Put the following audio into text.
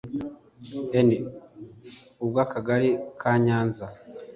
N ubw akagari ka nyanza